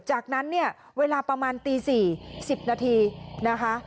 จากนั้นเนี่ยเวลาประมาณตี๔๐นาทีนะคะ